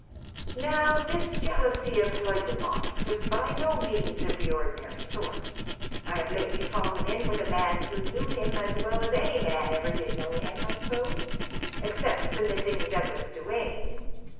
.• Now, this jealousy of Floyd Demotte^s was by no means of the ordinary sort. I have lately fallen in with a man who knew him as well as any man ever did know him, I suppose, ex cept the missing Douglas Duane.